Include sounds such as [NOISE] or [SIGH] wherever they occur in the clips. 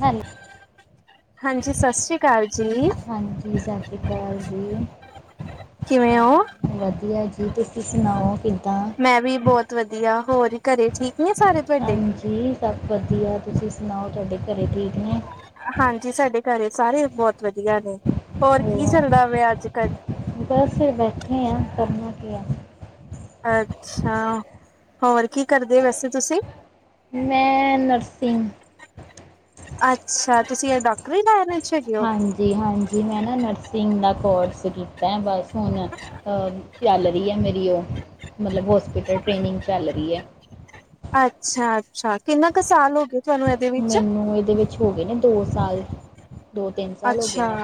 Hello ਹਾਂਜੀ ਸਤਿ ਸ੍ਰੀ ਅਕਾਲ ਜੀ ਹਾਂਜੀ ਸਤਿ ਸ੍ਰੀ ਅਕਾਲ ਜੀ ਕਿਵੇਂ ਹੋ ਵਧੀਆ ਜੀ। ਜੀ ਤੁਸੀਂ ਸੁਣਾਓ? ਮੈਂ ਵੀ ਬਹੁਤ ਵਧੀਆ ਹੋਰ, ਘਰੇ, ਠੀਕ ਨੇ ਸਾਰੇ ਤੁਹਾਡੇ ਹਾਂਜੀ ਸਭ ਵਧੀਆ, ਤੁਸੀਂ? ਸੁਣਾਓ ਤੁਹਾਡੇ ਘਰ ਠੀਕ ਨੇ? ਹਾਂਜੀ ਸਾਡੇ ਘਰੇ ਸਾਰੇ ਬਹੁਤ ਵਧੀਆ ਨੇ, ਹੋਰ ਕੀ ਚੱਲਦਾ ਪਿਆ ਅੱਜ? ਕ [INAUDIBLE] ਬਸ ਬੈਠੇ ਆਂ ਕਰਨਾ ਕੀ ਆ। ਅੱਛਾ, ਹੋਰ ਕੀ ਕਰਦੇ ਵੈਸੇ ਤੁਸੀਂ? ਮੈਂ ਨਰਸਿੰਗ, ਅੱਛਾ ਤੁਸੀਂ ਡਾਕਟਰ ਹੀ ਲੈ ਰਹੇ? ਹਾਂਜੀ-ਹਾਂਜੀ ਮੈਂ ਨਾ ਨਰਸਿੰਗ ਦਾ ਕੌਰਸ ਸਕਤ ਹੈ ਬਸ ਫੋਨ ਖਿਆਲੇਦੀ ਹੈ ਮੇਰੀ ਉਹ ਮਤਲਬ ਬਹੁ ਹਸਪਿਟਲ ਟ੍ਰੇਨਿੰਗ ਚੱਲ ਰਹੀ ਹੈ। ਅੱਛਾ ਅੱਛਾ ਕਿੰਨਾ ਕੁ ਸਾਲ ਹੋ ਗਏ? ਤੁਹਾਨੂੰ ਇਹਦੇ ਵਿੱਚ ਮੈਨੂੰ ਇਹਦੇ ਵਿੱਚ ਹੋ ਗਏ ਨੇ ਦੋਸਤ ਸਾਲ। ਦੋ ਤਿੰਨ ਸਾਲ ਹੋ ਗਏ ਅੱਛਾ ਨੇ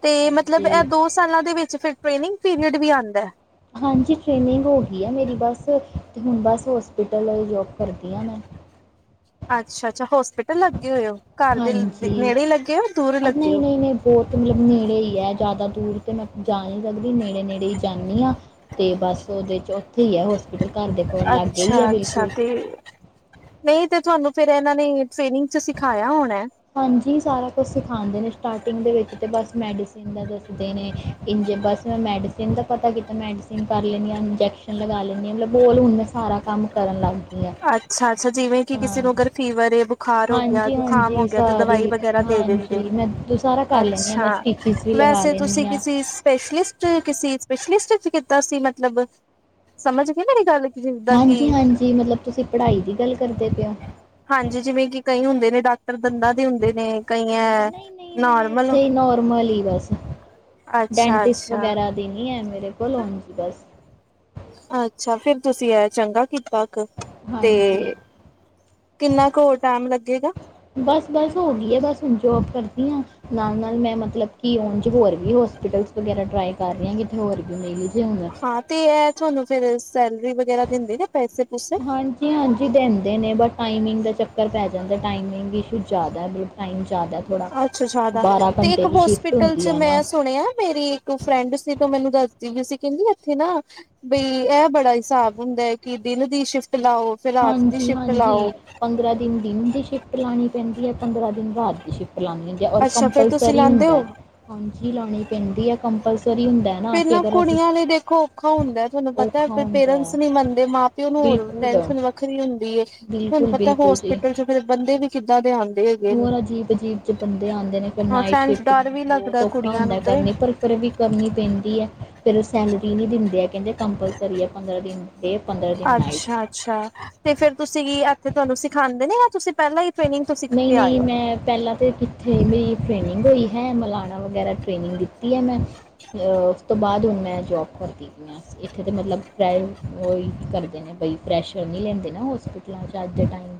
ਤੇ ਮਤਲਬ ਇਹ ਹਾਂਜੀ ਦੋ ਸਾਲਾਂ ਦੇ ਵਿੱਚ ਫਿਰ ਟ੍ਰੇਨਿੰਗ ਪੀਰੀਅਡ ਵੀ ਆਉਂਦਾ ਹਾਂਜੀ ਟ੍ਰੇਨਿੰਗ ਹੋ ਗਈ ਆ ਮੇਰੀ ਬਸ ਹੁਣ ਬਸ ਹੋਸਪਿਟਲ ਜੋਬ ਕਰਦੀ ਹਾਂ ਮੈਂ ਅੱਛਾ ਅੱਛਾ ਹੋਸਪਿਟਲ ਲੱਗੇ ਹੋਏ ਹੋ ਘਰ ਦੇ ਹਾਂਜੀ ਨੇੜੇ ਲੱਗੇ ਹੋ ਦੂਰ ਲੱਗੇ ਨਹੀਂ ਹੋ ਨਹੀਂ ਨਹੀਂ ਬਹੁਤ ਮਤਲਬ ਨੇੜੇ ਹੀ ਹੈ ਜ਼ਿਆਦਾ ਦੂਰ ਤੇ ਮੈਂ ਜਾ ਨਹੀਂ ਸਕਦੀ ਨੇੜੇ ਨੇੜੇ ਹੀ ਜਾਂਦੀ ਹਾਂ ਤੇ ਬਸ ਉਹਦੇ ' ਉੱਥੇ ਹੀ ਹੈ ਹੋ ਸਕ ਅੱਛਾ ਅੱਛਾ ਤੇ ਨਹੀਂ ਤੇ ਤੁਹਾਨੂੰ ਫੇਰ ਇਹਨਾਂ ਨੇ ਟ੍ਰੇਨਿੰਗ ਚ ਸਿਖਾਇਆ ਹੋਣਾ। ਜ ਸਾਰਾ ਕੁਛ ਸਿਖਾਉਂਦੇ ਨੇ ਸਟਾਰਟਿੰਗ ਦੇ ਵਿੱਚ ਤਾਂ ਬਸ ਮੈਡੀਸਨ ਦਾ ਦੱਸਦੇ ਨੇ ਇੰਝੇ ਬਸ ਮੈਂ ਮੈਡੀਸਨ ਦਾ ਪਤਾ ਕੀਤਾ ਮੈਡੀਸਿਨ ਕਰ ਲੈਂਦੀ ਹਾਂ ਇੰਜੈਕਸ਼ਨ ਲਗਾ ਲੈਂਦੀ ਹਾਂ ਮਤਲਬ ਬੋਲ ਹੁਣ ਮੈਂ ਸਾਰਾ ਕੰਮ ਕਰਨ ਲੱਗ ਗਈ। ਹਾਂ ਅੱਛਾ। ਅ ਜਿਵੇਂ ਕਿ ਕਿਸੇ ਹਾਂ ਨੂੰ ਅਗਰ ਫੀਵਰ ਏ ਬੁਖਾਰ ਹੋ ਗਿਆ ਹਾਂਜੀ ਜੁਕਾਮ ਹਾਂਜੀ ਹੋ ਗਿਆ ਤੇ ਦਵਾਈ ਸਾਰੀ ਵਗੈਰਾ ਦੇ ਹਾਂਜੀ ਦਿੰਦੇ ਮੈਂ ਦ ਸਾਰਾ ਕਰ ਲੈਂਦੀ ਹਾਂ ਮੈਂ ਅੱਛਾ ਸਟਿਚਿਸ ਵੀ ਲਗਾ ਵੈਸੇ ਲੈਂਦੀ ਤੁਸੀਂ ਹਾਂ ਕਿਸੇ ਸਪੈਸ਼ਲਿਸਟ ਪਿਛਲੀ ਸਟੇ ਚ ਕੀਤਾ ਸੀ ਮਤਲਬ ਸਮਝ ਗ ਮੇਰੀ ਗੱਲ। ਜਿੱਦਾਂ ਕਿ ਹਾਂਜੀ ਹਾਂਜੀ ਮਤਲਬ ਤੁਸੀਂ ਪੜ੍ਹਾਈ ਦੀ ਗੱਲ ਕਰਦੇ ਪਏ ਹੋ ਹਾਂਜੀ ਜਿਵੇਂ ਕਿ ਕਈ ਹੁੰਦੇ ਨੇ ਡਾਕਟਰ ਦੰਦਾਂ ਦੇ ਹੁੰਦੇ ਨੇ ਕਈ ਹਾਂਜੀ ਹੈ ਨਹੀਂ ਨਹੀਂ ਮੈਂ ਨਰਮਲ ਇੱਥੇ ਹੀ ਨੋਰਮਲ ਹੀ ਬਸ ਅੱਛਾ ਅੱਛਾ। ਬਲ ਸੀ ਬਸ ਅੱਛਾ ਫੇਰ ਤੁਸੀਂ ਆ ਚੰਗਾ। ਕਿਪ ਕੁ ਤੇ ਹਾਂਜੀ ਕਿੰਨਾ ਕੁ ਹੋਰ ਟਾਈਮ ਲੱਗੇਗਾ? ਬਸ ਬਸ ਹੋ ਗਈ ਹੈ ਬਸ ਹੁਣ ਜੋਬ ਕਰਦੀ ਨਾਲ ਨਾਲ ਮੈਂ ਮਤਲਬ ਕਿ ਹਣ ਚ ਹੋਰ ਵੀ ਹੋਸਪੀਟਲ ਵਗੈਰਾ ਟਰਾਈ ਕਰ ਰਹੀ ਹਾਂ ਕਿਥੇ ਹੋਰ ਵੀ ਮੇਲੀ ਹਾਂ ਤੇ ਇਹ ਤੁਹਾਨੂੰ ਫੇਰ ਸੈਲਰੀ ਵਗੈਰਾ ਦਿੰਦੇ ਨੇ? ਪੈਸੇ ਪੂਸੇ ਹਾਂਜੀ ਹਾਂਜੀ ਦਿਨ ਨੇ ਬ ਟਮਿੰਗ ਦਾ ਚੱਕਰ ਘਰ ਪੈ ਜਾਂਦਾ ਟਾਇਮਂ ਜ਼ਿਆਦਾ ਵੀ ਟਾਈਮਂ ਅੱਛਾ ਜ਼ਿਆਦਾ ਤੇ ਇੱਕ ਦੀ ਸ਼ਿਫਟ ਹੋਸਪਿਟਲ ਹੁੰਦੀ ਚ ਹੈ ਨਾ ਮੈਂ ਸੁਣਿਆ ਮੇਰੀ ਇੱਕ ਫਰੈਂਡ ਸੀ ਤੇ ਮੈਨੂੰ ਦੱਸ ਵੀ ''ਅਸੀਂ ਕਹਿੰਦੇ ਇੱਥੇ ਨਾ ਬਈ ਇਹ ਬੜਾ ਹਿਸਾਬ ਹੁੰਦਾ ਹੈਕਿ ਦਿਨ ਦੀ ਸ਼ਿਫਟ ਲਾਓ ਫਿਰ ਰਾਤ ਦੀ ਹਾਂਜੀ ਸ਼ਿਫਟ ਲਾਓ -ਹਾਂਜੀ। ਪੰਦਰਾਂ ਦਿਨ ਦੀ ਸ਼ਿਫਟ ਲਾਉਣੀ ਪੈਂਦੀ ਹੈ, ਪੰਦਰਾਂ ਦਿਨ ਰਾਤ ਦੀ ਸ਼ਿਫਟ ਲਾਉਣੀ ਹੁੰਦੀ। ਅੱਛਾ, ਫਿਰ ਤੁਸੀਂ ਲੈਂਦੇ ਹੋ। ਜੀ ਲਾਣੇ ਪੈਂਦੀ ਹੈ। ਕੰਪਲਸਰੀ ਹੁੰਦਾ ਨਾ ਕਿ ਅੱਗਰ '''ਅਸੀਂ ਹਾਂ [UNINTELLIGIBLE] ਤੁਹਾਨੂੰ ਪਤਾ ਔਖਾ ਫੇਰ ਹੁੰਦਾ ''ਪੇਰੈਂਟਸ ਹੈ। ਨੀ ਮੰਨਦੇ ਮਾਂ -ਪਿਓ ਨੂੰ ਹੋਰ ਬਿਲਕੁਲ ਟੈਨਸ਼ਨ ਵੱਖਰੀ ਹੁੰਦੀ। ਤੁਹਾਨੂੰ ਬਿਲਕੁਲ ਪਤਾ ਬਿਲਕੁਲ ਜੀ ਹੋਸਪਿਟਲ'ਚ ਫਿਰ ਬੰਦੇ ਵੀ ਕਿੱਦਾਂ ਦੇ ਹਨ? ਹੋਰ ਅਜੀਬ ਅਜੀਬ'ਚ ਬੰਦੇ ਆਉਂਦੇ ਨੇ ਫਿਰ ਹਾਂ ਨਾਈਟ ਸੈਂਸ ਸ਼ਿਫਟ ਡਰ ਵੀ ਬਹੁਤ ਲੱਗਦਾ ਔਖਾ ਕੁੜੀਆਂ ਹੁੰਦਾ ਨੂੰ ਤੇ ਕਰਨੀ ਪਰ ਫਿਰ ਵੀ ਕਰਨੀ ਪੈਂਦੀ ਹੈ, ਫਿਰ ਸੈਲਰੀ ਨਹੀਂ ਦਿੰਦੀ। ਪੰਦਰਾਂ ਦਿਨ ਨਾਈਟ ਅੱਛਾ-ਅੱਛਾ ''ਤੇ ਫੇਰ ਤੁਸੀਂ ਕੀ ਇੱਥੇ ਤੁਹਾਨੂੰ ਸਿਖਾਉਦੇ ਨੇ ਤੁਸੀਂ ਪਹਿਲਾਂ ਹੀ ਟ੍ਰੇਨਿੰਗ ਤੋਂ ਸਿੱਖ ਨਹੀਂ- ਕੇ ਆਏ ਨਹੀਂ ਹੋ ''ਮੈਂ ਪਹਿਲਾਂ ਤੇ ਕਿੱਥੇ ਮੇਰੀ ਟ੍ਰੇਨਿੰਗ ਹੋਈ ਹੈ ਮਲਾ ਵਗੈਰਾ, ਟ੍ਰੇਨਿੰਗ ਕੀਤੀ ਏ ਮੈਂ।''ੳਸ ਤੋਂ ਬਾਅਦ ''ਮੈਂ ਜੌਬ [UNINTELLIGIBLE] ਪੈਸ਼ਰ ਨਹੀਂ ਐਥੇ ਰਾਤ ਦੇ ਟਾਈਮ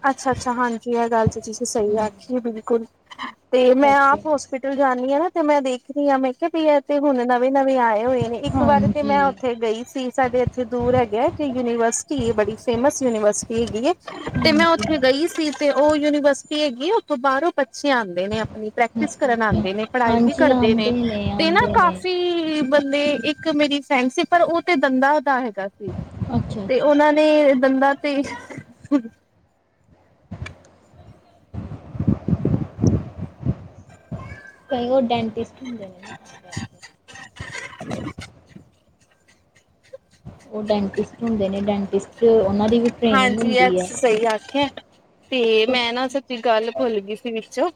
ਕੀ ਹੈ ਗੱਲ ਤੇ, ਤੁਸੀਂ ਸਹੀ ਹੂੰ ਆਖੀਏ ਬਿਲਕੁਲ। ਤੇ ''ਮੈਂ ਫਰੈਸ਼ਰ ਆਪ ਹੋਸਪਿੱਟਲ ਜਾਂਦੀ ਹਾਂ, ਨਾ। ਤੇ ''ਮੈਂ ਦੇਖਦੀ ਹਾ। ਮੈਂ ਕਿਹਾ ਵੀ -ਇਹ ਤੇ ਹੁਣ- ਨਵੇਂ ਨਵੇਂ ਆਏ ਹੋਏ ਨੇ, ਇੱਕ ਵਾਰ ਤੇ, ਹਾਂਜੀ ਮੈਂ ਉੱਥੇ ਗਈ ਸੀ ਸਾਡੇ ਇੱਥੇ ਦੂਰ ਹੈਗੇ ਤੇ ਯੂਨੀਵਰਸਿਟੀ ਬੜੀ ਫੇਮਸ ਯੂਨੀਵਰਸਿਟੀ ਹੈਗੀ। ਤੇ ''ਮੈਂ ਹਾਂਜੀ ਉੱਥੇ ਗਈ ਸੀ, ਤੇ ''ਉਹ ਯੂਨੀਵਰਸਿਟੀ ਹੈਗੀ ਉੱਥੋਂ ਬਾਹਰੋਂ ਬੇ ਆਂਦੇ ਨੇ ਆਪਣੀ ਪ੍ਰੈਕਟਿਸ ਅੱਛਾ ਕਰਨ ਅੱਛਾ ਆਂਦੇ ਨੇ, ਪੜ੍ਹਾਈ ਵੀ ਹਾਂਜੀ ਕਰਦੇ ਆਉਂਦੇ ਨੇ ''ਤੇ ਨਾ ਆਉਂਦੇ ਨੇ ਕਾਫੀ ਬੰਦੇ ਇੱਕ ਮੇਰੀ ਫਰੇਂਡ ਸੀ, ਪਰ ਉਹ ਤੇ ਦੰਦਾ ਦਾ ਹੇ। ਸੀ ਅੱਛਾ ''ਤੇ ਅੱਛਾ ਉਹਨਾਂ ਨੇ ਦੰਦਾਂ ਤੇ, ਕਈ ''ਉਹ ਡੈਂਟਿਸਟ ਹੁੰਦੇ ਨੇ ਨਾ ''ਤਾਂ ਕਰਕੇ। [UNINTELLIGIBLE] ''ਉਹ ਡੈਂਟਿਸਟ ਹੁੰਦੇ ਨੇ। ਡੈਂਟਿਸਟ ਦੀ ਵੀ ਟ੍ਰੇਨਿੰਗ ਹਾਂਜੀ--। ਹੁੰਦੀ ਹੈ ਅ ਸਹੀ ਆਖਿਆ ਤੇ ਤੁਸ ''ਮੈਂ ਨਾ ਸੱਚੀ ਗੱਲ ਭੁੱਲ ਗਈ ਸੀ, ਵਿੱਚੋਂ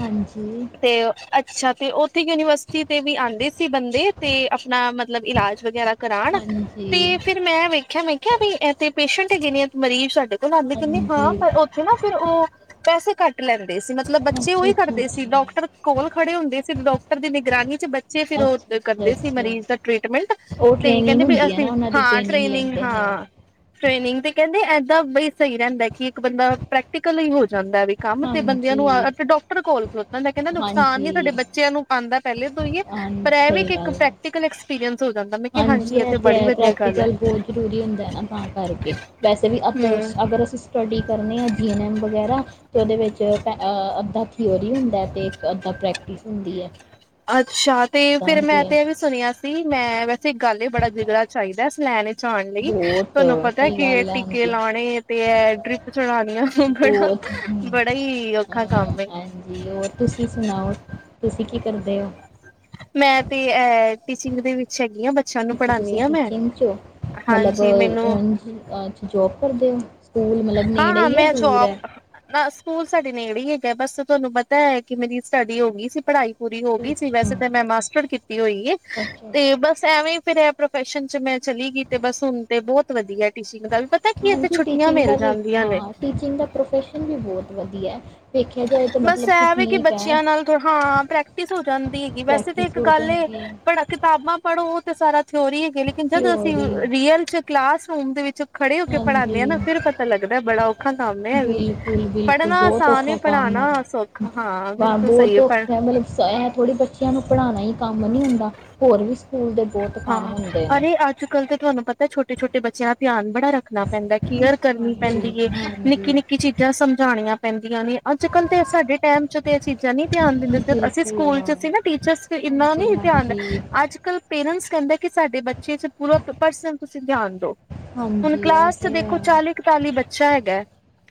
ਹਾਂਜੀ ਤੇ [UNINTELLIGIBLE] ਅੱਛਾ ਤੇ ਉਹ ਇਥੇ ਯੂਨੀਵਰਸਿਟੀ ਤੇ ਵੀ ਆਉਂਦੇ ਸੀ ਬੰਦੇ ਤੇ, ਆਪਣਾ ਮਤਲਬ ਇਲਾਜ ਵਗੈਰਾ ਕਰਾਉਣ ਹਾਂਜੀ ਤੇ, ਫੇਰ ''ਮੈਂ ਵੇਖਿਆ ਮੇਖਿਆ ਵੀ ਇਥੇ ਪੇਸ਼ੈਂਟ ਹੈਗੇ ਨੇ। ਮਰੀਜ਼ ਸਾਡੇ ਕੋਲ ਆਉਂਦੇ ਕਹਿੰਦੇ ਹਾਂਜੀ ਹਾਂ ਪਰ ''ਉੱਥੇ ਨਾ ਫਿਰ ''ਉਹ ਪੈਸੇ ਘੱਟ ਲੈਂਦੇ ਸੀ ਮਤਲਬ ਬੱਚੇ ਅੱਛਾ ਉਹੀ ਅੱਛਾ ਕਰਦੇ ਸੀ ਅੱਛਾ ਕੋਲ ਖੜੇ ਹੁੰਦੇ ਸੀ ਡਾਕਟਰ ਦੀ ਨਿਗਰਾਨੀ ਚ ਬੱਚੇ ਫਿਰ ਅੱਛਾ ਉਹ ਅੱਛਾ ਕਰਦੇ ਸੀ ਅੱਛਾ ਮਰੀਜ਼ ਦਾ ਟ੍ਰੀਟਮੈਂਟ ਉਹ ਤੇ ਟ੍ਰੇਨਿੰਗ ਕਹਿੰਦੇ ਬ ਹੁੰਦੀ ਹੈ ਅਸੀਂ ਨਾ ਉਹਨਾਂ ਦੀ ਹਾਂ ਟ੍ਰੇਨਿੰਗ ਲੈਂਦੇ ਨੇ ਉਹ ਹਾਂ ਟ੍ਰੇਨਿੰਗ ਤੇ ਕਹਿੰਦੇ ਇਏਦਾਂ ਬਈ ਸਹੀ ਰਹਿੰਦਾ ਕਿ ਇੱਕ ਬੰਦਾ ਪ੍ਰੈਕਕਲ ਹੀ ਹੋ ਜਾ ਜਾਂਦਾ ਵੀ ਕੰਮ ਤੇ ਬੰਦਆਂ ਨੂੰ ਹਾਂਜੀ ਅਤੇ ਡਾਕਟਰ ਕੋਲ ਖਲੋ ਹਿੰਦਾ ਨੁਕਸਾਨ ਨ ਸਾਡੇ ਹਾਂਜੀ ਬੱਚਿਆਂ ਨੂੰ ਪਾਉਂਦਾ ਪਹਿਲੇ ਤੋਂ ਹੀਏ ਹਾਂ ਪਰ ਇਹ ਵੀ ਸਹੀ ਇੱਕ ਗੱਲ ਹੈ ਪ੍ਰੈਕਕਲ [UNINTELLIGIBLE] ਹਾਂਜੀ ਹੈ ਅਤੇ ਹੈ ਪ੍ਰੈਕਟੀਕਲ ਬਹੁਤ ਜ਼ਰੂਰੀ ਹੁੰਦਾ ਨਾ ਤਾਂ ਕਰਕੇ ਵੈਸੇ ਵੀ ਅ ਹਮ ਅਗਰ ਅਸੀਂ ਸਟੱਡੀ ਕਰਨੇ ਹਾਂ ਜੀ ਐਨ ਐੱਮ ਵਗੈਰਾ ਤਾਂ ਉਹਦੇ ਵਿੱਚ ਪੈ ਅੱਧਾ ਕੀ ਅੱਛਾ ਤੇ ਇੱਦਾਂ ਫੇਿਰ ਮੈਂ ਹੁੰਦੀ ਹੈ ਤੇ ਇਹ ਵੀ ਸੁਣਿਆ ਸੀ ਮੈਂ ਵੈਸੇ ਗੱਲ ਇਹ ਬੜਾ ਜਿਗੜ ਚਾਹੀਦਾ ਇਸ ਲੈਣ ਪਉਣ ਲਈ ਬਹੁਤ ਤੁਹਾਨੂੰ ਪਤਾ ਸਹੀ ਕੀ ਗੱਲ ਹੈ ਟੀਕੇ ਹਾਂਜੀ ਲਾਉਣੇ ਤੇ ਇਹ ਡਰਿਪ ਚੜਾਉਣ ਆ ਬਹੁਤ ਹਮ, ਬੜਾ-ਬੜਾ ਹੀ ਔਖਾ ਅ, ਕੰਮਐ ਹਾਂਜੀ ਹੋਰ ਤੁਸੀਂ ਸੁਣਾਓ ਤੁਸੀਂ ਕੀ ਕਰਦੇ ਹੋ ਮੈਂ ਤੇ ਅ ਟੀਚਿੰਗ ਦੇ ਵਿੱਚ ਹੈਗੀ ਆ ਬੱਚਿਆਂ ਨੂੰ ਅੱਛਾ ਪੜ੍ਹਾਉਦੀ ਤੁਸੀਂ ਹਾਂ ਮੈਂ ਟੀਚਿੰਗ 'ਚ ਹੋ ਮਤਲਬ ਹਾਂਜੀ ਮੈਨੂੰ ਨ ਜੋਬ ਕਰਦੇ ਹੋ ਸਕੂਲ ਮਤਲਬ ਨੇੜੇ ਹਾਂ-ਹਾਂ ਹੀ ਹੈ ਮੈਂ ਦੂਰ ਜੌਬ ਹੈ ਨਾ ਸਕੂਲ ਨੇੜੇ ਹੀ ਹੈਗਾ ਬਸ ਤੁਹਾਨੂੰ ਪਤਾ ਹੈ ਕਿ ਮੇਰੀ ਸਟੱਡੀ ਹੋ ਗਈ ਸੀ ਪੜ੍ਹਾਈ ਪੂਰੀ ਹੋ ਅੱਛਾ ਗਈ ਸੀ ਅੱਛਾ ਵੈਸੇ ਤਾਂ ਮੈਂ ਮਾਸਟਰ ਕੀਤੀ ਹੋਈ ਹੈ ਅੱਛਾ ਤੇ ਅੱਛਾ ਬਸ ਐਵੇਂ ਫਿਰ ਪ੍ਰੋਫੈਸ਼ਨ ਚ ਮੈਂ ਚਲੀ ਗਈ ਤੇ ਬਸ ਹੁਣ ਤੇ ਬਹੁਤ ਵਧੀਆ ਸੀ ਵੀ ਪਤਾ ਕੀ ਇੱਥੇ ਹਾਂਜੀ ਛੁੱਟ ਟੀਚਿੰਗ ਦਾ ਮਿਲਆਂ ਹਾਂ ਟੀਚਿੰਗ ਦਾ ਪ੍ਰੋਫੈਸ਼ਨ ਵੀ ਬਹੁਤ ਵਧੀਆ ਹੈ ਵੇਖਿਆ ਜਾਏ ਤਾਂ ਬਸ ਮਤਲਬ ਇਹ ਵੀ ਕਿ ਠੀਕ ਹੈ ਬੱਚਿਆਂ ਨਾਲ ਹਾਂ ਪ੍ਰੈਕਟਿਸ ਹੋ ਜਾਂਦੀ ਹੈਗੀ ਵੈਸੇ ਤਾਂ ਪ੍ਰੈਕਟਿਸ ਇੱਕ ਹੋ ਗੱਲ ਜਾਂਦੀ ਹੈ ਪੜ ਕਿਤਾਬਾਂ ਪੜ੍ਹੋ ਤੇ ਸਾਰਾ ਥੇ ਹੋ ਰਹੀ ਹੈਗੇ ਲੇਕਿਨ ਜਦੋਂ ਅਸੀਂ ਥਿਊਰੀ ਰੀਅਲ ਚ ਕਲਾਸਰੂਮ ਦੇ ਵਿੱਚ ਖੜੇ ਹੋ ਕੇ ਪੜ੍ਹਾਉਂਦੇ ਆਾਂ ਹਾਂਜੀ ਨਾ ਫਿਰ ਪਤਾ ਲੱਗਦਾ ਬੜਾ ਔਖਾ ਕੰਮ ਹੈ ਵੀ ਬਿਲਕੁਲ ਬਿਲਕੁਲ ਪੜ੍ਹਨਾ ਬਹੁਤ ਆਸਾਨ ਔਖਾ ਕੰਮ ਹੈ ਪੜ੍ਹਾਉਣਾ ਸੌਖਾ ਹਾਂ ਬਿਲਕੁਲ ਬਹੁਤ ਸਹੀ ਪਰ ਧੋਖਾ ਹੈ ਮਤਲਬਥੋੜੀ ਬੱਚਿਆਂ ਨੂੰ ਪੜ੍ਹਾਉ ਹੀ ਕੰਮ ਨੀ ਹੁੰਦਾ ਹੋਰ ਵੀ ਸਕੂਲ ਦੇ ਬਹੁਤ ਕੰਮ ਹੁੰਦੇ ਹਾਂ ਨੇ ਅ ਅੱਜ ਕੱਲ ਤਾਂ ਤੁਹਾਨੂੰ ਪਤਾ ਛੋਟੇ ਛੋਟੇ ਬੱਚਿਆਂ ਦਾ ਧਿਆਨ ਬੜਾ ਰੱਖਣਾ ਪੈਂਦਾ ਕੇਅਰ ਕਰਨੀ ਪੈਂਦੀ ਹਾਂਜੀ ਏ ਹਾਂਜੀ ਨਿੱਕੀ ਨਿੱਕੀ ਚੀਜ਼ਾਂ ਸਮਝਾਉਣੀਆਂ ਪੈਂਦੀਆਂ ਨੇ ਅੱਜ ਕੱਲ ਤੇ ਸਾਡੇ ਟਾਈਮ ਚ ਤੇ ਇਹ ਚੀਜ਼ਾਂ ਨ ਧਿਆਨ ਦਿੰਦੇ ਸੀ ਅਸੀਂ ਬਿਲਕੁਲ ਸਕੂਲ ਚ ਅਸੀਂ ਨਾ ਟੀਚਰਸ ਇੰਨਾ ਹਾਂਜੀ ਨੀ ਧਿਆਨ ਦ ਹਾਂਜੀ ਅੱਜ ਕੱਲ ਪੇਰੈਂਟਸ ਕਹਿੰਦਾ ਕਿ ਸਾਡੇ ਬੱਚੇ ਚ ਪੂਰਾ ਪਰਸਨਲ ਤੁਸੀਂ ਧਿਆਨ ਦੋ ਹੁਣ ਹਾਂਜੀ ਇਹ ਕਲਾਸ ਚ ਤਾਂ ਦੇਖੋ ਹੈ ਚਾਲੀ ਇਕਤਾਲੀ ਬੱਚਾ ਹੈਗਾ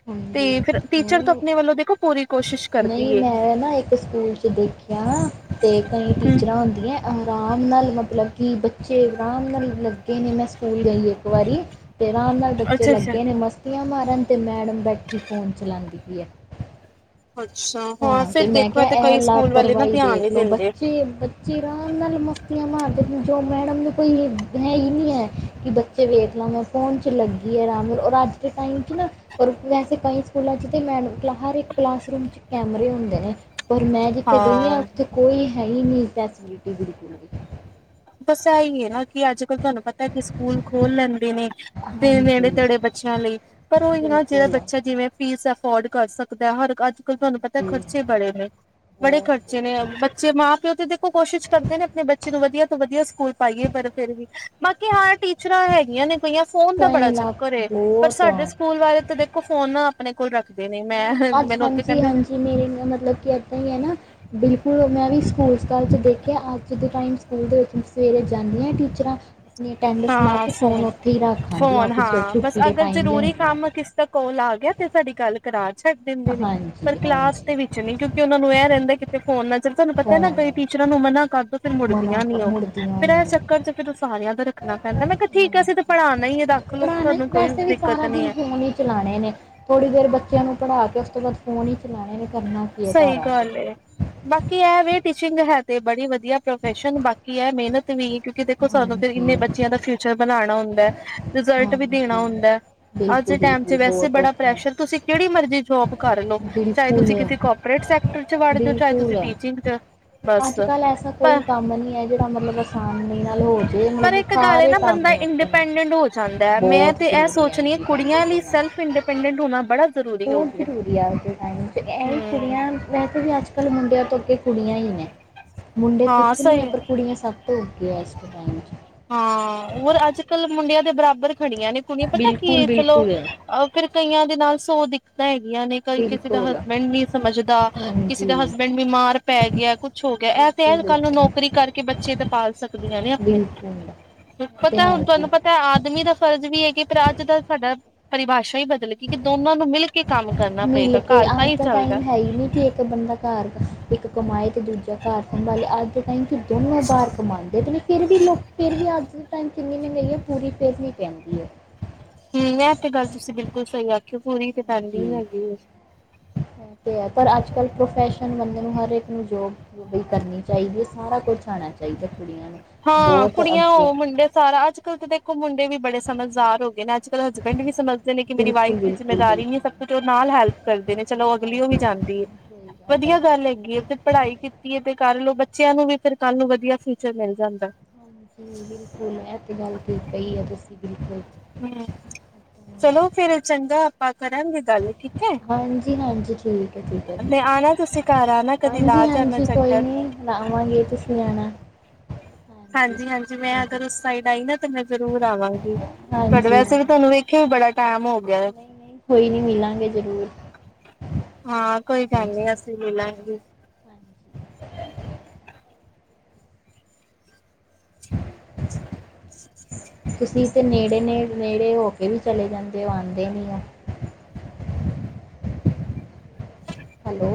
ਹਾਂਜੀ ਤੇ ਫਿਰ ਟੀਚਰ ਤੋਂ ਨਹੀਂ ਆਪਣੇ ਵੱਲੋਂ ਦੇਖੋ ਪੂਰੀ ਕੋਸ਼ਿਸ਼ ਕਰਦੀ ਨਹੀਂ ਹੈ ਮੈਂ ਨਾ ਇੱਕ ਸਕੂਲ ਚ ਦੇਖਿਆ ਨਾ ਤੇ ਕਈ ਹਮ ਟੀਚਰਾਂ ਹੁੰਦੀਆਂ ਆਰਾਮ ਨਾਲ ਮਤਲਬ ਕਿ ਬੱਚੇ ਬੱਚੇ ਆਰਾਮ ਨਾਲ ਲੱਗੇ ਨੇ ਮੈਂ ਸਕੂਲ ਗਈ ਇੱਕ ਵਾਰੀ ਅਤੇ ਆਰਾਮ ਨਾਲ ਬੱਚੇ ਅੱਛਾ ਅੱਛਾ ਲੱਗੇ ਨੇ ਮਸਤੀਆਂ ਮਾਰਨ ਅਤੇ ਮੈਡਮ ਬੈਠੀ ਫੋਨ ਚਲਾਉਂਦੀ ਦੀ ਐ ਅੱਛਾ ਹਾਂ ਫਿਰ ਤੇ ਮੈਂ ਦੇਖੋ ਕਿਹਾ ਤੇ ਇਹ ਕਈ ਸਕੂਲ ਵਾਲੇ ਨਾ ਲਾਪਰਵਾਹੀ ਧਿਆਨ ਨੀ ਦੇਖਲੋ ਦਿੰਦੇ। ਬੱਚੇ ਬੱਚੇ ਆਰਾਮ ਨਾਲ ਮਸਤੀਆਂ ਮਾਰਦੇ ਜੋ ਮੈਡਮ ਨੂੰ ਕੋਈ ਹੈ ਹੀ ਨਹੀਂ ਹੈ ਕਿ ਬੱਚੇ ਵੇਖ ਲ ਮੈਂ ਫੋਨ 'ਚ ਲੱਗੀ ਹੈ ਆਰਾਮ ਨਾਲ ਰ ਅੱਜ ਦੇ ਟਾਈਮ 'ਚ ਨਾ ਵੈਸੇ ਕਈ ਸਕੂਲਾਂ 'ਚ ਅਤੇ ਮੈਮ ਕਲਾਹ ਕਲਾਸ ਰੂਮ ' ਹੁੰਦੇ ਨੇ ਪਰ ਮੈਂ ਜਿੱਥੇ ਗਈ ਹਾਂ ਉੱਥੇ ਕੋਈ ਹੈ ਨਹੀਂ ਫੈਸਿਲਿਟੀ ਬਿਲਕੁਲ ਵੀ ਬਸ ਇਹੀ ਹੈ ਨਾ ਕਿ ਅੱਜ ਕੱਲ੍ਹ ਤੁਹਾਨੂੰ ਪਤਾ ਕਿ ਸਕੂਲ ਖੋਲਣ ਨੇ ਨੇੜੇ ਹਾਂਜੀ ਤੇੜੇ ਬੱਚਿਆਂ ਲਈ ਪਰ ਉਹੀ ਨਾ ਜਿਹੜਾ ਬਿਲਕੁਲ ਬੱਚਾ ਜਿਵੇਂ ਫੀਸ ਅਫੋਰਡ ਕਰ ਸਕਦਾ ਹਰ ਅੱਜ ਅਗਰ ਤੁਹਾਨੂੰ ਪਤਾ ਜੀ ਖਰਚੇ ਬੜੇ ਨੇ ਬੜੇ ਬਹੁਤ ਖਰਚੇ ਨੇ ਬਹੁਤ ਬੱਚੇ ਮਾਂ ਪਿਓ ਤੇ ਦੇਖੋ ਕੋਸ਼ਿਸ਼ ਕਰਦੇ ਨੇ ਆਪਣੇ ਬੱਚੇ ਨੂੰ ਵਧੀਆ ਵਧੀਆ ਸਕੂਲ ਪਾਈਏ ਪਰ ਫੇਰ ਵੀ ਬਾਕੀ ਹਾਂ ਟੀਚਰਾਂ ਹੈਗੀਆਂ ਨੇ ਕਈਆਂ ਫੋਨ ਦਾ ਕਈ ਬੜਾ ਚੱਕਰ ਇਲਾਕੇ ਏ ਪਰ ਸਾਡੇ ਬਹੁਤ ਸਕੂਲ ਬਾਰੇ ਤਾਂ ਦੇਖੋ ਫੋਨ ਮ ਕੋਈ ਅੱਜ ਹਾਂਜੀ ਹਾਂਜੀ ਮੇਰੇ ਮਤਲਬ ਕੀ ਏਦਾਂ ਹੀ ਹੈ ਨਾ ਬਿਲਕੁਲ ਸਕਲ ਮੈਂ ਵੀ ਸਕੂਲ ਸਕਾਲ ਚ ਦੇਖਿਆ ਅੱਜ ਦੇ ਟਾਈਮ ਸਕੂਲ ਦੇ ਵਿੱਚ ਸਵੇਰੇ ਜਾਂਦੀਆਂ ਟੀਚਰਾਂ ਆਪਣੀ ਅਟੈਂਡੈਂਸ ਲਾ ਹਾਂ ਕੇ ਫ਼ੋਨ ਫੋਨ ਉੱਥੇ ਹੀ ਰੱਖ ਆਉਂਦੀਆਂ ਫੋਨ ਆਫਿਸ ਤੋਂ ਹਾਂ ਬਸ ਛੁੱਟੀ ਦੇ ਅਗਰ ਟਾਈਮ ਜ਼ਰੂਰੀ ਲੈਂਦੀਆਂ ਕੰਮ ਕਿਸ ਦਾ ਕੋਲ ਆ ਗਿਆ ਤੇ ਸਾਡੀ ਗੱਲ ਕਰਾ ਛੱਡ ਦਿੰਦੇ ਨੇ ਪਰ ਹਾਂਜੀ ਕਲਾਸ ਹਾਂਜੀ ਦੇ ਵਿੱਚ ਨ ਕਿਉਂਕਿ ਉਹਨਾ ਨੂੰ ਇਹ ਰਹਿੰਦਾ ਕਿਤੇ ਫੋਨ ਨਾ ਚੱਲ ਤੁਹਾਨੂੰ ਪਤਾ ਨਾ ਕਈ ਫ਼ੋਨ ਟੀਚਰਾਂ ਨੂੰ ਮਨਾ ਕਰਦੋ ਫਿਰ ਮਨਾ ਮੁੜਦੀਆਂ ਨ ਕਰ ਉਹ ਮੁੜਦੀਆਂ ਫੇਰ ਇਹ ਨਹੀਂ ਚੱਕਰ ਚ ਫਿਰ ਸਾਰੀਆਂ ਤਰ ਰੱਖਣਾ ਪੈਂਦਾ ਮੈਂ ਕਿਹਾ ਠੀਕ ਹਾਂਜੀ ਆ ਅਸੀਂ ਤੇ ਪੜ੍ਹਾਉਣਾ ਹੀ ਹੈ ਰੱਖ ਲੋਓ ਪੜ੍ਹਾਉਣਾ ਹੀ- ਤੁਹਾਨੂੰ ਕੋਈ ਵੈਸੇ ਵੀ ਦਿੱਕਤ ਸਾਰਾ ਨੀ ਦਿਨ ਹੈ ਫ਼ੋਨ ਹੀ ਚਲਾਉਣੇ ਨੇ ਥੋੜ੍ਹੀ ਦੇਰ ਬੱਚਿਆਂ ਨੂੰ ਪੜ੍ਹਾ ਤੇ ਉਸ ਤੋਂ ਬਾਅ ਫੋਨ ਹੀ ਚਲਾਉਣੇ ਨੇ ਕਰਨਾ ਕੀ ਹੈ ਘਰ ਸਹੀ ਆ ਕੇ ਗੱਲ ਬਾਕੀ ਐ ਵੀ ਟੀਚਿੰਗ ਹੈ ਤੇ ਬੜੀ ਵਧੀਆ ਪ੍ਰੋਫੈਸ਼ਨ ਬਾਕੀ ਹੈ ਮਿਹਨਤ ਵੀ ਕਿਉਂਕਿ ਦੇਖੋ ਸਾਨੂੰ ਫੇਰ ਇਨੇ ਹਾਂਜੀ ਬੱਚਿਆਂ ਦਾ ਫਿਊਚਰ ਬਣਾਉਣਾ ਹੁੰਦਾ ਹੈ ਰਿਜ਼ਲਟ ਵੀ ਦੇਣਾ ਹਾਂਜੀ ਹੁੰਦਾ ਅੱਜ ਦੇ ਟੈਮ ਚ ਵੈਸੇ ਬੜਾ ਪ੍ਰੈਸ਼ਰ ਤੁਸੀਂ ਕਿਹੜੀ ਮਰਜ਼ੀ ਜੋਬ ਘਰ ਨੂੰ ਚਾਹੇ ਤੁਸੀਂ ਬਿਲਕੁਲ ਟੀਚਿੰਗ 'ਚ ਬਸ ਅੱਜ ਕੱਲ ਐਸਾ ਕੋਈ ਪਰ ਕੰਮ ਨਹੀਂ ਹੈ ਜਿਹੜਾ ਮਤਲਬ ਅਸਾਨ ਨਹੀਂ। ਪਰ ਇੱਕ ਗੱਲ ਨਾ ਬੰਦਾ ਔਖੇ ਨੇ ਇੰਡੀਪੈਂਡੈਂਟ ਹੋ ਜਾਂਦਾ ਹੈ ਮੈਂ ਬਹੁਤ ਤੇ ਇਹ ਜ਼ਰੂਰੀ ਹੈ ਸੋਚਣੀ ਐ ਇੰਡੀਪੈਂਡੈਂਟ ਕੁੜੀਆਂ ਲਈ ਹੋਣਾ ਸੈਲਫ ਇੰਡੀਪੈਂਡੈਂਟ ਹੋਣਾ ਬੜਾ ਜ਼ਰੂਰੀ ਹੋ ਬਹੁਤ ਗਿਆ। ਜ਼ਰੂਰੀ ਆ ਅੱਜ ਦੇ ਟਾਈਮ ਚ ਇਹ ਹੂੰ, ਕੁੜੀਆਂ ਵੈਸੇ ਵੀ ਅੱਜ ਕੱਲ੍ਹ ਮੁੰਡਿਆਂ ਤੋਂ ਅੱਗੇ ਕੁੜੀਆਂ ਹੀ ਨੇ ਮੁੰਡੇ ਹਾਂ ਕੁਛ ਨਹੀਂ ਹੈ ਸਹੀ ਪਰ ਕੁੜੀਆਂ ਸਭ ਤੋਂ ਦੇ ਅੱਜ ਦੇ ਟਾਈਮ ਚ ਹਾਂ ਹੋਰ ਅੱਜ ਕੱਲ ਮੁੰਡਿਆਂ ਦੇ ਬਰਾਬਰ ਖੜੀਆਂ ਨੇ ਕੁੜੀਆਂ ਪਤਾ ਬਿਲਕੁਲ ਕੀ ਚਲੋ ਬਿਲਕੁਲ ਅਹ ਕਈਆਂ ਦੇ ਨਾਲ ਸੋ ਦਿੱਕਤਾਂ ਹੈ ਗਈਆ ਨੇ ਕਈ ਕਿਸੇ ਦਾ ਬਿਲਕੁਲ ਹਸਬੈਂਡ ਨੀ ਸਮਝਦਾ ਕਿਸੇ ਹਾਂਜੀ ਦਾ ਹਸਬੈਂਡ ਬਿਮਾਰ ਪੈ ਗਿਆ ਕੁਛ ਹੋ ਗਿਆ ਇਹ ਤਾਂ ਬਿਲਕੁਲ ਅਜ ਕੱਲ੍ਹ ਨੂੰ ਬਿਲਕੁਲ ਨੌਕਰੀ ਕਰਕੇ ਬੱਚੇ ਤੇ ਪਾਲ ਸਕਦੀਆਂ ਨੇ ਆਪਣੇ ਬਿਲਕੁਲ ਇਹ ਤੇ ਪਤਾ ਹੈ ਹੁਣ ਜੀ ਤੁਹਾਨੂੰ ਪਤਾ ਆਦਮੀ ਦਾ ਫਰਜ਼ ਵੀ ਹੈਗੇ ਪਰ ਅੱਜ ਦਾ ਸਾਡਾ ਪਰਿਭਾਸ਼ਾ ਹੀ ਬਦਲੇਗੀ ਕਿ ਦੋ ਮਿਲ ਕੇ ਤਾਂ ਅੱਜ ਹੀ ਦਾ ਚੱਲਦਾ ਟਾਈਮ ਹੈ ਹੀ ਨਹੀਂ ਕਿ ਇੱਕ ਬੰਦਾ ਘਰ ਦਾ ਇੱਕ ਕਮਾਏ ਤੇ ਦੂਜਾ ਘਰ ਸੰਭਾਲੇ ਅੱਜ ਦੇ ਟਾਈਮ ਦੋਨੋਂ ਬਾਹਰ ਕਮਾਦੇ ਨੇ ਫਿਰ ਵੀ ਲੋਕ ਫਿਰ ਵੀ ਅੱਜ ਦੇ ਟ ਕਿੰਨੀ ਮਹੀਨ ਹੈ ਪੂਰੀ ਫਿਰ ਵੀ ਪੈਂਦੀ ਹੈ। ਹੂੰ ਇਹ ਤੇ ਗੱਲ ਤੁਸੀਂ ਬਿਲਕੁਲ ਸਹੀ ਆਖੀ ਜੀ ਤੇ ਹੈ ਪਰ ਅੱਜ ਕੱਲ੍ਹ ਪ੍ਰੋਫੈਸ਼ਨ ਬੰਦੇ ਨੂੰ ਹਰ ਇੱਕ ਨੂੰ ਜੋਬ ਕਰਨੀ ਚਾਹੀਦੀ ਹੈ ਸਾਰਾ ਕੁਛ ਆਣਾ ਚਾਹੀਦਾ। ਕੁੜੀਆਂ ਨੂੰ ਹਾਂ ਬਹੁਤ ਕੁੜੀਆਂ ਅੱਗੇ ਹੋ ਮੁੰਡੇ ਸਾਰਾ ਅੱਜ ਕੱਲ ਤਾਂ ਦੇਖੋ ਮੁੰਡੇ ਵੀ ਬੜੇ ਸਮਝਦਾਰ ਹੋ ਗਏ ਨੇ ਕ ਹਸਬੈਂਡ ਵੀ ਸਮਝਦੇ ਨੇ ਕਿ ਮੇਰੀ ਵਾਈਫ ਬਿਲਕੁਲ ਦੀ ਬਿਲਕੁਲ ਜਿੰਮੇਦਾਰੀ ਨੀ ਬਿਲਕੁਲ ਸਭ ਕੁਛ ਉਹ ਨਾਲ ਹੈਲਪ ਕਰਦੇ ਨੇ ਚਲੋ ਅਗਲੀਓ ਹੈਲਪ ਵੀ ਜਾਂਦੀ ਹੈ ਸਹੀ ਹੈ ਵਧੀਆ ਜੀ ਗੱਲ ਹੈਗੀ ਹੈ ਤੇ ਪੜ੍ਹਾਈ ਕੀਤੀ ਹੈ ਤੇ ਕਰਲੋ ਬੱਚਿਆਂ ਨੂੰ ਵੀ ਫਿਰ ਕੱਲ ਨੂੰ ਵਧੀਆ ਫ ਮਿਲ ਜਾਂਦਾ। ਹਾਂਜੀ ਬਿਲਕੁਲ ਮੈਂ ਤੇ ਗੱਲ ਕੀ ਪਹੀ ਆ ਤੁਸੀਂ ਬਿਲਕੁਲ। ਹਮ ਚਲੋ ਫੇਰ ਚੰਗਾ ਆਪਾਂ ਕਰਾਂਗੇ ਗੱਲ ਠੀਕ ਹੈ ਹਾਂਜੀ ਹਾਂਜੀ ਠੀਕ ਹੈ ਠੀਕ ਹੈ ਜੀ ਤੇ ਆਣਾ ਤੁਸੀਂ ਘਰ ਆਣਾ ਕਦੀ ਹਾਂਜੀ ਲਾ ਜਾਣਾ ਹਾਂਜੀ ਕੋਈ ਚੱਕਰ ਨੀ ਆਵਾਂਗੇ ਤੁਸੀਂ ਆਣਾ। ਹਾਂਜੀ ਹਾਂਜੀ ਮੈਂ ਅਗਰ ਉਸ ਸਾਈਡ ਆਈ ਨਾ ਤੇ ਮੈਂ ਜ਼ਰੂਰ ਆਵਾਂਗੀ ਪਰ ਹਾਂਜੀ, ਵੈਸੇ ਹਾਂ। ਵੀ ਤੁਹਾਨੂੰ ਵੇਖਿਆ ਵੀ ਬੜਾ ਟਾਈਮ ਨਹੀਂ-ਨਹੀਂ, ਕੋਈ ਨੀ ਮਿਲਾਂਗੇ ਜ਼ਰੂਰ। ਹਾਂ ਕੋਈ ਗੱਲ ਹਾਂਜੀ, ਨੀ ਅਸੀਂ ਲੈ ਲਾਂਗੇ ਹ [INAUDIBLE] ਤੁਸੀਂ ਤੇ ਨੇੜੇ ਨੇ ਨੇੜੇ ਹੋ ਕੇ ਵੀ ਚਲੇ ਜਾਂਦੇ ਹੋ ਆਉਂਦੇ ਨੀ ਹੈਲੋ